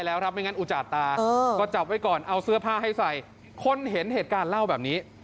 เอาเสื้อผ้าให้ใส่คนเห็นเหตุการณ์เหล้าแบบนี้